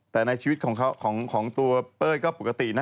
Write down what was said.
แต่ในชีวิตของตัวเป้ยก็ปกตินะ